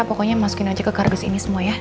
pokoknya masukin aja ke kardus ini semua ya